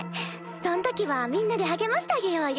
そんときはみんなで励ましてあげようよ。